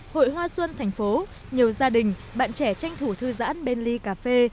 hội hoa xuân thành phố nhiều gia đình bạn trẻ tranh thủ thư giãn bên ly cà phê